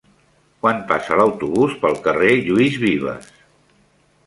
Quan passa l'autobús pel carrer Lluís Vives?